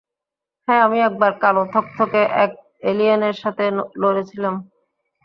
হ্যাঁ, আমি একবার কালো থকথকে এক এলিয়েনের সাথে লড়েছিলাম।